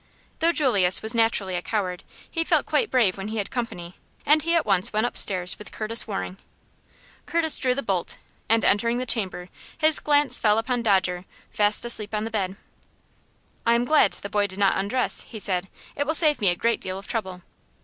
Though Julius was naturally a coward, he felt quite brave when he had company, and he at once went upstairs with Curtis Waring. Curtis drew the bolt, and, entering the chamber, his glance fell upon Dodger, fast asleep on the bed. "I am glad the boy did not undress," he said. "It will save me a great deal of trouble.